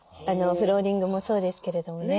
フローリングもそうですけれどもね。